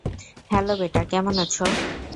Hello বেটা, কেমন আছো?